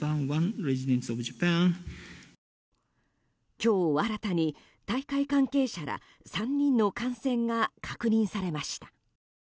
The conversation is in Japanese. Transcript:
今日、新たに大会関係者ら３人の感染が確認されました。